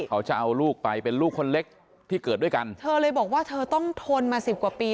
เขาจะเอาลูกไปเป็นลูกคนเล็กที่เกิดด้วยกันเธอเลยบอกว่าเธอต้องทนมาสิบกว่าปี